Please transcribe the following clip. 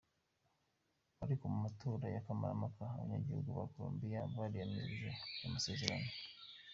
Ariko, mu matora ya kamarampaka, abanyagihugu ba Colombia bariyamirije ayo masezerano.